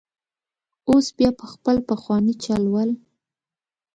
اوس بیا په خپل پخواني چل ول.